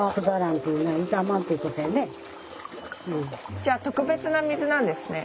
じゃあ特別な水なんですね。